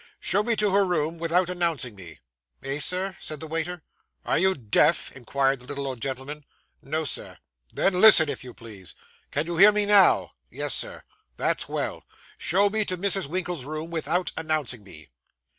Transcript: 'Show me to her room without announcing me.' 'Eh, Sir?' said the waiter. 'Are you deaf?' inquired the little old gentleman. 'No, sir.' 'Then listen, if you please. Can you hear me now?' 'Yes, Sir.' 'That's well. Show me to Mrs. Winkle's room, without announcing me.